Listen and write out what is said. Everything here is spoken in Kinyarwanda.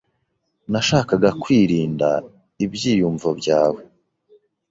Nashakaga kwirinda ibyiyumvo byawe.